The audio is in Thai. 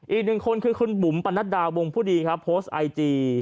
อีกหนึ่งคนคือคุณบุ๋มปัณฑดาวงค์ผู้ดีโพสต์ไอจี